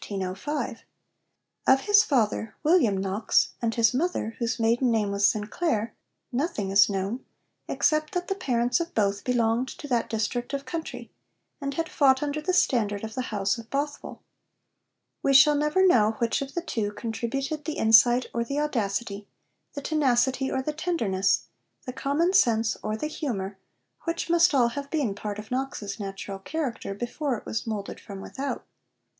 Of his father, William Knox, and his mother, whose maiden name was Sinclair, nothing is known, except that the parents of both belonged to that district of country, and had fought under the standard of the House of Bothwell. We shall never know which of the two contributed the insight or the audacity, the tenacity or the tenderness, the common sense or the humour, which must all have been part of Knox's natural character before it was moulded from without.